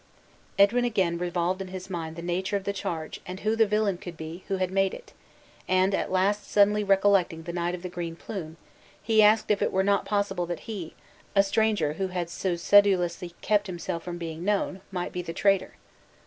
Edwin again revolved in his mind the nature of the charge and who the villain could be who had made it; and, at last suddenly recollecting the Knight of the Green Plume, he asked if it were not possible that he, a stranger who had so sedulously kept himself from being known, might be the traitor?